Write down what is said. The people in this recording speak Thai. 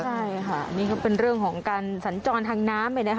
ใช่ค่ะนี่ก็เป็นเรื่องของการศัลจรทางน้ำ